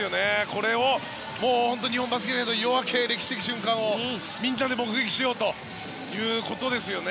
これを日本バスケ界の夜明け歴史的瞬間をみんなで目撃しようということですよね。